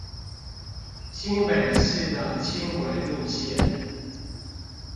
新北市的輕軌路線